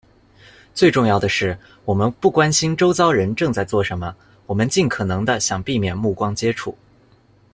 最重要的是，我们不关心周遭人正在做什么，我们尽可能地想避免目光接触。